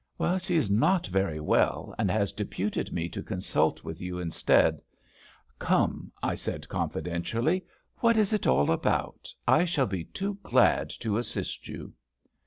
"She is not very well, and has deputed me to consult with you instead. Come," I said, confidentially. "What is it all about? I shall be too glad to assist you."